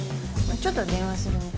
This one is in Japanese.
ちょっと電話するね。